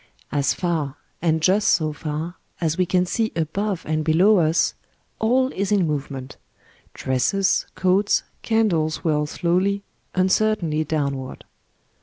As far, and just so far, as we can see above and below us, all is in movement ; dresses, coats, candles whirl slowly, un certainly downward.